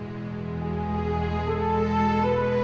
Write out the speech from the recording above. dia sudah kembali ke rumah sakit